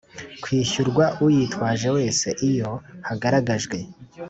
Kwishyurwa Uyitwaje Wese Iyo Hagaragajwe